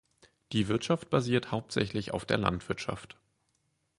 Die Wirtschaft basiert hauptsächlich auf der Landwirtschaft.